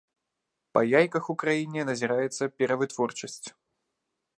Па яйках ў краіне назіраецца перавытворчасць.